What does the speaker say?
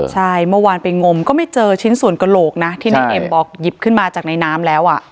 ใช่เมื่อวานไปงมก็ไม่เจอชิ้นส่วนกระโหลกนะที่นายเอ็มบอกหยิบขึ้นมาจากในน้ำแล้วอ่ะ